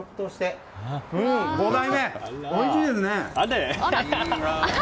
５代目、おいしいですね！